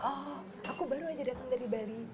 oh aku baru aja datang dari bali